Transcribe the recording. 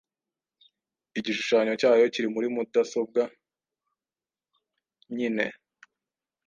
Igishushanyo cyayo kiri muri mudasobwa nyine!